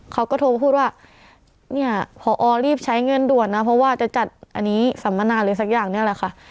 เขาก็โทรมาพูดว่าเนี่ยพอรีบใช้เงินด่วนนะเพราะว่าจะจัดอันนี้สัมมนาหรือสักอย่างเนี่ยแหละค่ะ